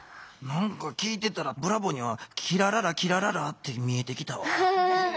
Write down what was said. なんか聞いてたらブラボーには「キラララキラララ」って見えてきたわ。